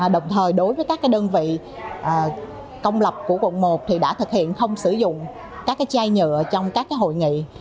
đồng thời đối với các đơn vị công lập của quận một thì đã thực hiện không sử dụng các chai nhựa trong các hội nghị